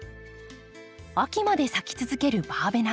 秋まで咲き続けるバーベナ。